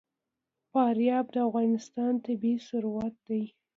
فاریاب د افغانستان طبعي ثروت دی.